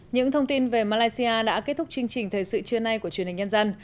những thông tin về malaysia đã kết thúc chương trình thời sự trưa nay của truyền hình nhân dân